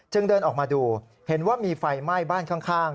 เดินออกมาดูเห็นว่ามีไฟไหม้บ้านข้าง